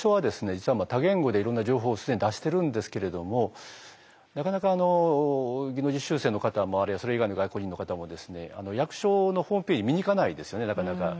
実は多言語でいろんな情報を既に出してるんですけれどもなかなか技能実習生の方あるいはそれ以外の外国人の方もですね役所のホームページ見に行かないですよねなかなか。